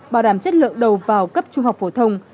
bảo đảm chất lượng đầu vào cấp trung học phổ thông